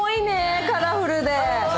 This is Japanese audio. カラフルで。